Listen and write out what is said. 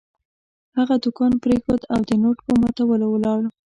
هغه دوکان پرېښود او د نوټ په ماتولو ولاړ.